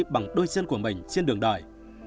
bằng đôi chân của mình trên đường đời